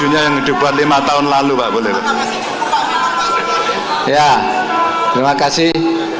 ya terima kasih